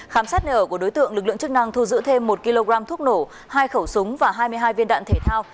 khám sát nở của đối tượng lực lượng chức năng thu giữ thêm một kg thuốc nổ hai khẩu súng và hai mươi hai viên đạn thể thao